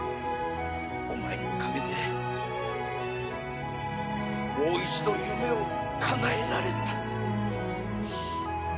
お前のおかげでもう一度夢をかなえられた。